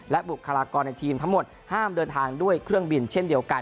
บุคลากรในทีมทั้งหมดห้ามเดินทางด้วยเครื่องบินเช่นเดียวกัน